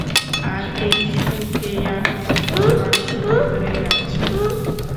আর এই সুখ, এই আনন্দ সব মানুষের ভেতরেই আছে।